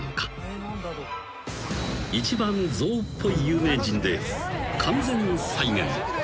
［一番象っぽい有名人で完全再現］